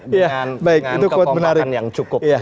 dengan kekompanan yang cukup